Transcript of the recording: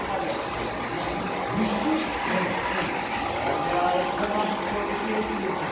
東京のブッシュヴェロアこりゃ大人っぽいケーキですね